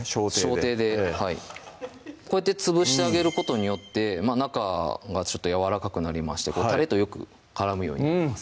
掌底ではいこうやってつぶしてあげることによって中がちょっとやわらかくなりましてたれとよく絡むようになります